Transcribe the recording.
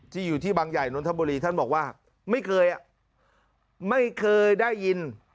อยู่ที่บางใหญ่นนทบุรีท่านบอกว่าไม่เคยอ่ะไม่เคยได้ยิน